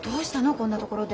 こんなところで。